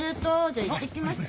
じゃあいってきます。